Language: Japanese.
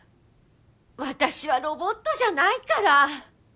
私はロボットじゃないから。